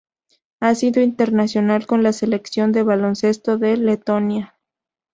Ha sido internacional con la Selección de baloncesto de Letonia.